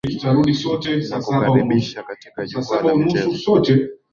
nakukaribisha katika jukwaa la michezo